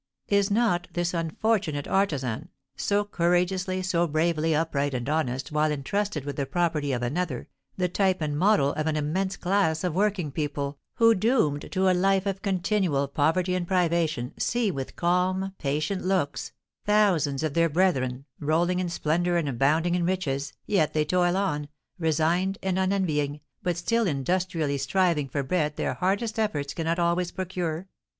Is not this unfortunate artisan, so courageously, so bravely upright and honest while entrusted with the property of another, the type and model of an immense class of working people, who, doomed to a life of continual poverty and privation, see, with calm, patient looks, thousands of their brethren rolling in splendour and abounding in riches, yet they toil on, resigned and unenvying, but still industriously striving for bread their hardest efforts cannot always procure?